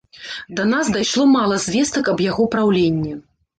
Да нас дайшло мала звестак аб яго праўленні.